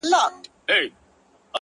د برزخي ژوند دقيقې دې رانه کچي نه کړې-